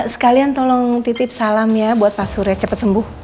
sekalian tolong titip salam ya buat pak surya cepat sembuh